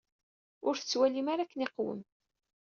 Ur tettwalim ara akken iqwem.